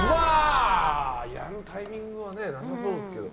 やるタイミングがなさそうですけど。